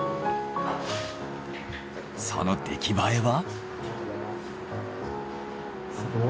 その出来栄えは？